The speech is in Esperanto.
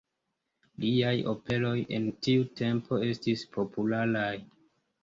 Liaj operoj en tiu tempo estis popularaj.